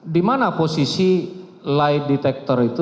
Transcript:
dimana posisi lay detektor itu